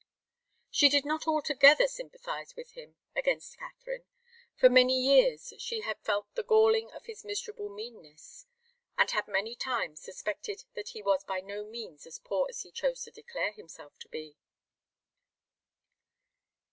She did not altogether sympathize with him against Katharine. For many years she had felt the galling of his miserable meanness, and had many times suspected that he was by no means as poor as he chose to declare himself to be.